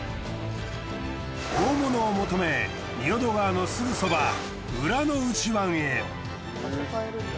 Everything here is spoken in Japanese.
大物を求め仁淀川のすぐそば浦ノ内湾へ。